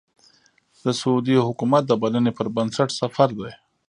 د سعودي حکومت د بلنې پر بنسټ سفر دی.